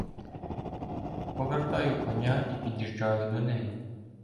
Повертаю коня і під'їжджаю до неї.